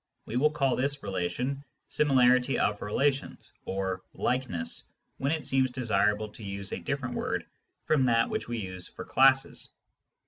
We will call this relation " similarity of relations," or " likeness " when it seems desirable to use a different word from that which we use for classes.